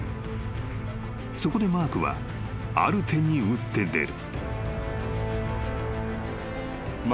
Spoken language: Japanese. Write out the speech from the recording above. ［そこでマークはある手に打って出る］